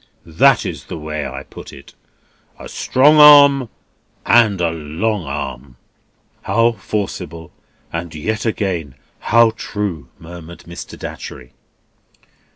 That is the way I put it. A strong arm and a long arm." "How forcible!—And yet, again, how true!" murmured Mr. Datchery.